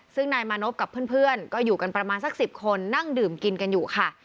ซึ่งนายมานพกับเพื่อนก็อยู่กันประมาณสัก๑๐คนนั่งดื่มกินกันอยู่ค่ะ